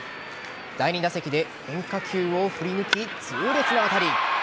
第２打席で変化球を振り抜き痛烈な当たり。